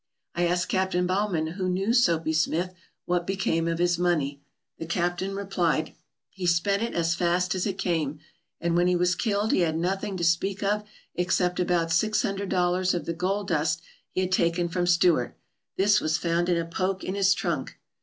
I asked Captain Baughman, who knew Soapy Smith, what became of his money. The Captain replied: " He spent it as fast as it came, and when he was killed he had nothing to speak of except about six hundred dollars of the gold dust he had taken from Stewart. This was found in a poke in his trunk.